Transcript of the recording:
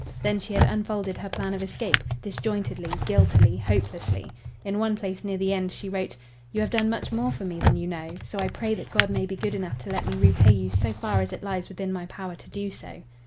Then she had unfolded her plan of escape, disjointedly, guiltily, hopelessly. In one place near the end, she wrote: "You have done much more for me than you know, so I pray that God may be good enough to let me repay you so far as it lies within my power to do so."